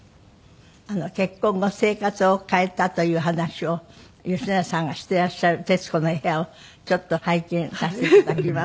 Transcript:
結婚後生活を変えたという話を吉永さんがしてらっしゃる『徹子の部屋』をちょっと拝見させていただきます。